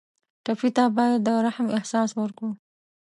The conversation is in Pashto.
ټپي ته باید د رحم احساس ورکړو.